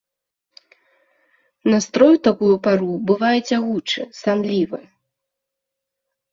Настрой у такую пару бывае цягучы, санлівы.